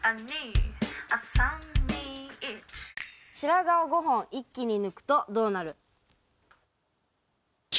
白髪を５本一気に抜くとどうなる？